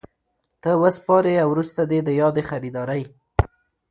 ته وسپاري او وروسته دي د یادي خریدارۍ